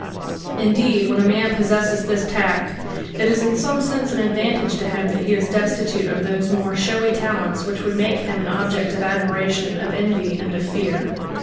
Indeed, when a man possesses this tact, it is in some sense an advantage to him that he is destitute of those more showy talents which would make him an object of admiration, of envy, and of fear.